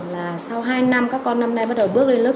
là sau hai năm các con năm nay bắt đầu bước lên lớp